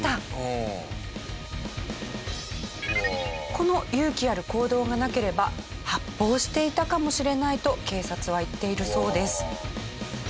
この勇気ある行動がなければ発砲していたかもしれないと警察は言っているそうです。